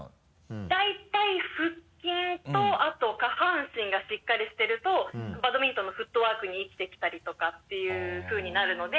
大体腹筋とあと下半身がしっかりしてるとバドミントンのフットワークに生きてきたりとかっていうふうになるので。